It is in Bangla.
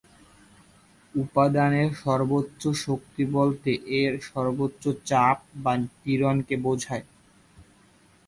উপাদানের সর্বোচ্চ শক্তি বলতে এর সর্বোচ্চ চাপ বা পীড়ন কে বোঝায়।